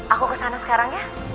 aku kesana sekarang ya